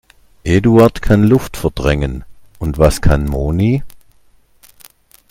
Eduard kann Luft verdrängen. Und was kann Moni?